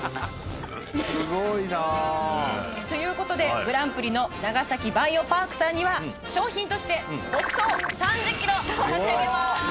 すごいなということでグランプリの長崎バイオパークさんには賞品として牧草３０ｋｇ差し上げます